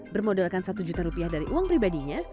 bermodalkan satu juta rupiah dari uang pribadinya